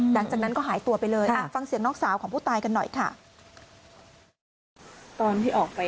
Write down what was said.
หลังจากนั้นก็หายตัวไปเลยฟังเสียงน้องสาวของผู้ตายกันหน่อยค่ะ